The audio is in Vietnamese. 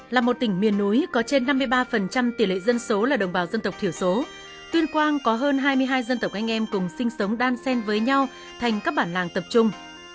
là một tỉnh miền núi có trên năm mươi ba tỷ lệ dân số là đồng bào dân tộc thiểu số tuyên quang có hơn hai mươi hai dân tộc anh em cùng sinh sống đan sen với nhau thành các bản làng tập trung